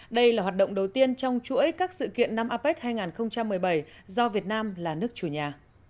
đây là hoạt động đầu tiên trong chuỗi các sự kiện năm apec hai nghìn một mươi bảy do việt nam là nước chủ nhà